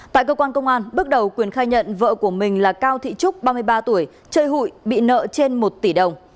tại cơ quan công an bước đầu quyền khai nhận vợ của mình là cao thị trúc ba mươi ba tuổi chơi hụi bị nợ trên một tỷ đồng